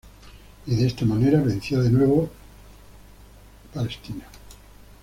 Y de esta manera vencía de nuevo Israel.